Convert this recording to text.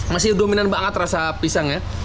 masih dominan banget rasa pisangnya